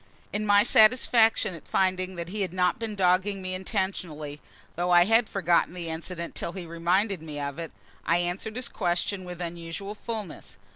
In my satisfaction at finding that he had not been dogging me intentionally (though I had forgotten the incident till he reminded me of it), I answered his question with unusual fulness.